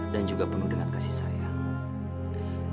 dan juga penuh dengan kasih sayang